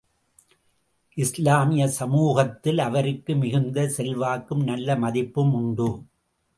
இஸ்லாமிய சமூகத்தில் அவருக்கு மிகுந்த செல்வாக்கும், நல்ல மதிப்பும் உண்டு.